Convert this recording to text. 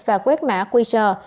và quét mã quy rờ